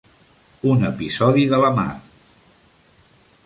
Un episodi de la mar.